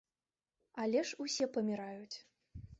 Але ж усе паміраюць.